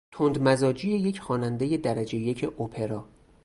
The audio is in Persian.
تند مزاجی یک خوانندهی درجه یک اپرا